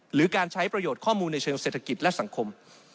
หรือการใช้ประโยชน์ข้อมูลในเชิงเศรษฐกิจและสังคม